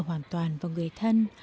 dựa hoàn toàn vào người thân